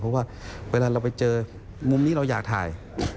เพราะว่าเวลาเราไปเจอมุมนี้เราอยากถ่าย